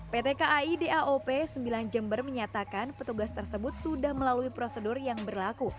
pt kai daop sembilan jember menyatakan petugas tersebut sudah melalui prosedur yang berlaku